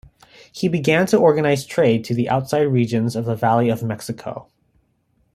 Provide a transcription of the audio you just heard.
He began to organize trade to the outside regions of the Valley of Mexico.